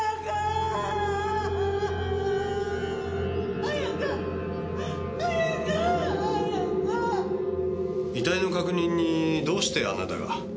綾香ー！遺体の確認にどうしてあなたが？